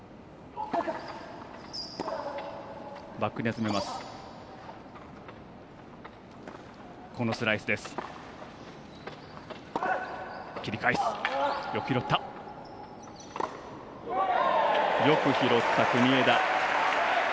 よく拾った国枝。